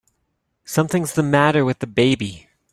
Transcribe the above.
Something's the matter with the baby!